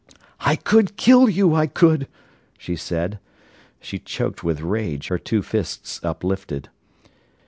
"I could kill you, I could!" she said. She choked with rage, her two fists uplifted.